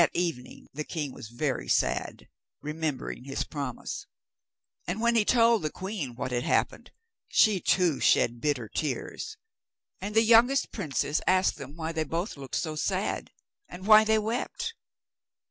That evening the king was very sad, remembering his promise; and when he told the queen what had happened, she too shed bitter tears. And the youngest princess asked them why they both looked so sad, and why they wept.